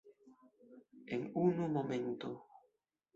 En unu momento.